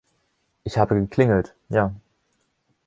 Ich habe geklingelt, ja.